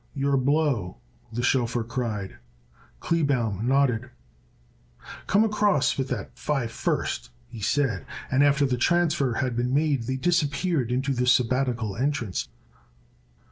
"Your blow," the chauffeur cried. Kleebaum nodded. "Come across with that five first," he said, and after the transfer had been made they disappeared into the sabbatical entrance.